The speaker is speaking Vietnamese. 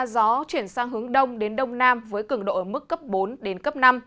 gió chuyển sang hướng đông đến đông nam với cường độ ở mức cấp bốn đến cấp năm